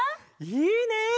いいね！